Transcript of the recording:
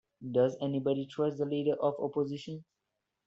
Does anybody trust the Leader of the Opposition?